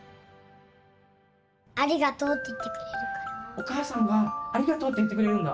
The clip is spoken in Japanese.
お母さんが「ありがとう」って言ってくれるんだ。